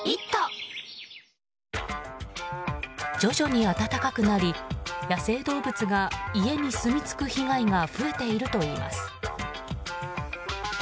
徐々に暖かくなり、野生動物が家にすみつく被害が増えているといいます。